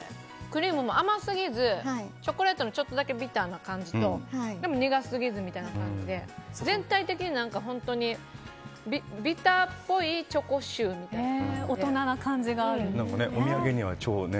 クリームも甘すぎずチョコレートのちょっとだけビターな感じと苦すぎずみたいな感じで全体的にビターっぽいチョコシューみたいな。